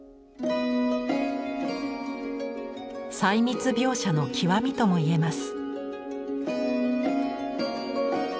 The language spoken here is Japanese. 細密描写の極みともいえます。